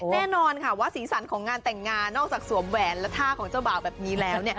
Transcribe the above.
แน่นอนค่ะว่าสีสันของงานแต่งงานนอกจากสวมแหวนและท่าของเจ้าบ่าวแบบนี้แล้ว